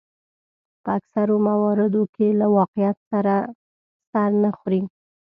په اکثرو مواردو کې له واقعیت سره سر نه خوري.